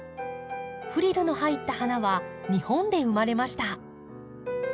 フリルの入った花は日本で生まれました。